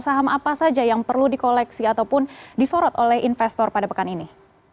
saham apa saja yang perlu dikoleksi ataupun disorot oleh investor pada pekan ini